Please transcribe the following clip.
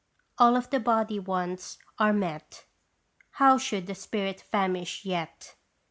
All of the body wants are met, How should the spirit famish yet?